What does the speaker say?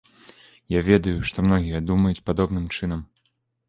Я ведаю, што многія думаюць падобным чынам.